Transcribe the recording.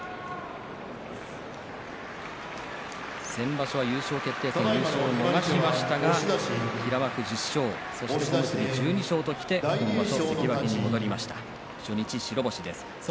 先場所は優勝決定戦優勝を逃しましたが平幕１０勝そして１２勝ときて今場所、関脇に戻りました。